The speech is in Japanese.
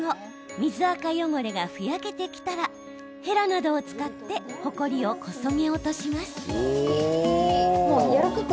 水あか汚れがふやけてきたらへらなどを使ってほこりをこそげ落とします。